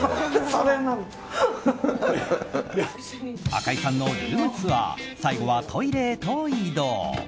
赤井さんのルームツアー最後はトイレへと移動。